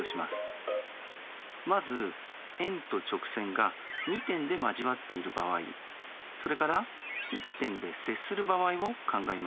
まず円と直線が２点で交わっている場合それから１点で接する場合を考えます。